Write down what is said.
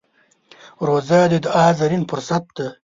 روژه د دعا زرين فرصت دی.